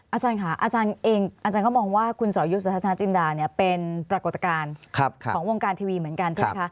อาจารย์ค่ะอาจารย์เองอาจารย์ก็มองว่าคุณสอยุทธนาจินดาเนี่ยเป็นปรากฏการณ์ของวงการทีวีเหมือนกันใช่ไหมคะ